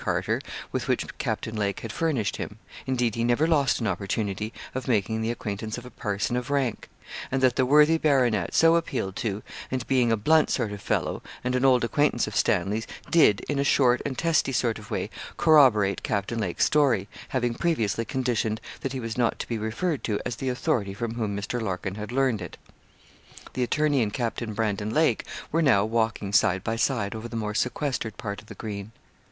Carter with which Captain Lake had furnished him; indeed, he never lost an opportunity of making the acquaintance of a person of rank; and that the worthy baronet, so appealed to, and being a blunt sort of fellow, and an old acquaintance of Stanley's, did, in a short and testy sort of way, corroborate Captain Lake's story, having previously conditioned that he was not to be referred to as the authority from whom Mr. Larkin had learned it. The attorney and Captain Brandon Lake were now walking side by side over the more sequestered part of the green.